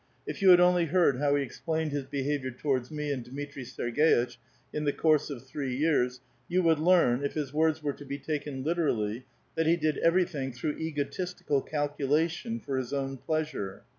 If you had only heard how he explained his behavior towards me and Dmitri Serg^itch in the course of three yeare, you would learn, if his words were to be taken literally, that he did everything through egotistical calculation for his own pleas ure.